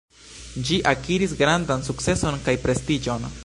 Ĝi akiris grandan sukceson kaj prestiĝon.